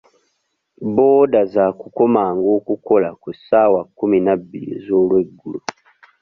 Booda za kukomanga okukola ku ssaawa kkumi na bbiri ez'olweggulo.